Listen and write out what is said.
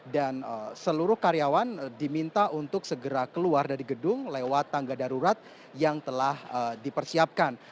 dan seluruh karyawan diminta untuk segera keluar dari gedung lewat tangga darurat yang telah dipersiapkan